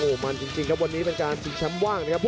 โอ้โหมันจริงครับวันนี้เป็นการชิงแชมป์ว่างนะครับ